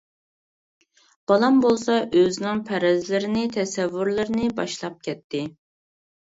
بالام بولسا ئۆزىنىڭ پەرەزلىرىنى تەسەۋۋۇرلىرىنى باشلاپ كەتتى، .